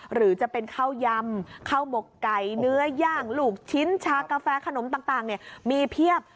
หลูกชิ้นชากาแฟขนมต่างมีเพียบ